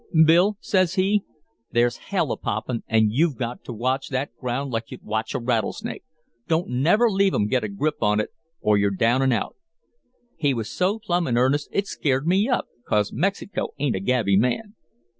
"'Bill,' says he, 'there's hell a poppin' an' you've got to watch that ground like you'd watch a rattle snake. Don't never leave 'em get a grip on it or you're down an' out.' "He was so plumb in earnest it scared me up, 'cause Mexico ain't a gabby man.